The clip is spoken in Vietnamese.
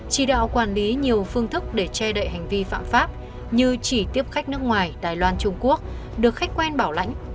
chỉ đạo quản lý nhiều phương thức để che đậy hành vi phạm pháp như chỉ tiếp khách nước ngoài đài loan trung quốc được khách quan bảo lãnh